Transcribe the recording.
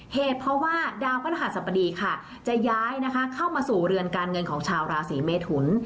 เหตุเพราะว่าดาวพระรหัสบดีค่ะจะย้ายนะคะเข้ามาสู่เรือนการเงินของชาวราศีเมทุน